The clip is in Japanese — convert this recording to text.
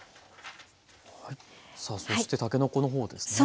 さあそしてたけのこの方ですね。